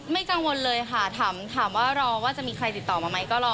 กังวลเลยค่ะถามว่ารอว่าจะมีใครติดต่อมาไหมก็รอ